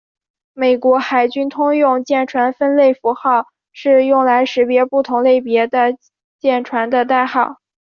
美国海军通用舰船分类符号是用来识别不同类别的舰船的代号。